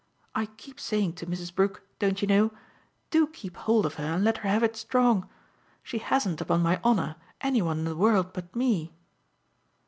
I keep saying to Mrs. Brook don't you know? 'Do keep hold of her and let her have it strong.' She hasn't, upon my honour, any one in the world but me."